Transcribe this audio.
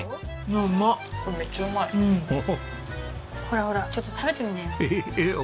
ほらほらちょっと食べてみなよ。